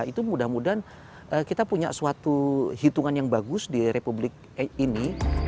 itu mudah mudahan kita punya suatu hitungan yang bagus di republik ini